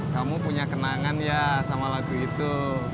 kamu punya kenangan ya sama lagu itu